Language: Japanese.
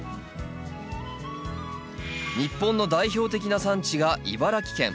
日本の代表的な産地が茨城県。